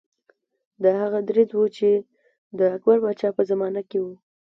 دا هغه دریځ و چې د اکبر پاچا په زمانه کې و.